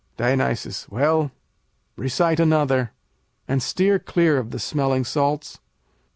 Dion. Well, recite another, and steer clear of the smelling salts.